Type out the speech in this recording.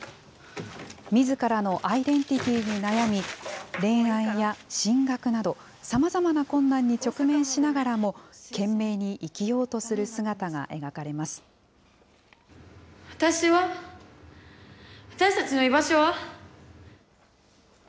みずからのアイデンティティーに悩み、恋愛や進学など、さまざまな困難に直面しながらも、懸命に生きようとする姿が描かれま私は、私たちの居場所は？